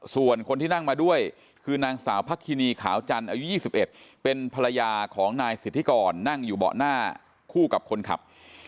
ส่วนคนที่นั่งมาด้วยคือนางสาวพักคินีขาวจันทร์อายุ๒๑เป็นภรรยาของนายสิทธิกรนั่งอยู่เบาะหน้าคู่กับคนขับ